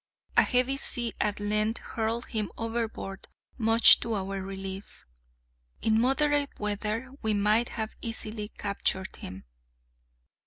A heavy sea at length hurled him overboard, much to our relief. In moderate weather we might have easily captured him.